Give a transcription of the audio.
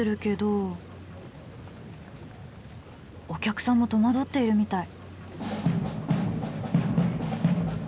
お客さんも戸惑っているみたい。